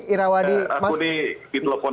irawadi aku ini di telpon